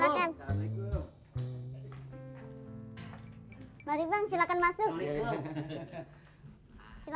balik bang silahkan masuk